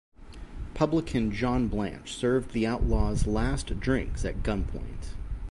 Publican John Blanch, served the outlaw's last drinks at gun point.